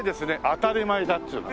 当たり前だっつうの。